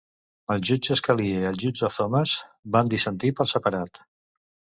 El jutge Scalia i el jutge Thomas van dissentir per separat.